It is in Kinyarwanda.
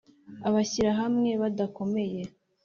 abashyirahamwe badakomeye